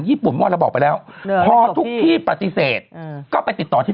ญี่ปุ่นม่อนเราบอกไปแล้วพอทุกที่ปฏิเสธก็ไปติดต่อที่